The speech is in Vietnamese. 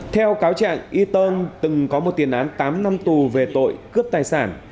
theo cáo trạng y tơn từng có một tiền án tám năm tù về tội cướp tài sản